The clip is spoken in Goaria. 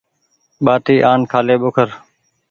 ٻآٽي آن کآلي ٻوکر۔